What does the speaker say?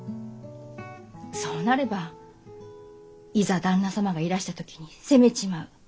そうなればいざ旦那様がいらした時に責めちまう。